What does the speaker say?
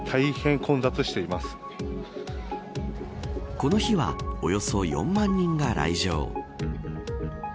この日はおよそ４万人が来場。